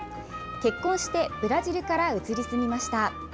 結婚してブラジルから移り住みました。